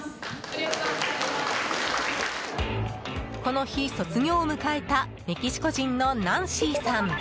この日、卒業を迎えたメキシコ人のナンシーさん。